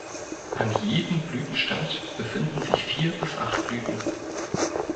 An jedem Blütenstand befinden sich vier bis acht Blüten.